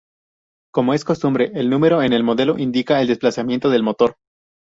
Como es costumbre, el número en el modelo indica el desplazamiento del motor.